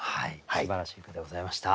すばらしい句でございました。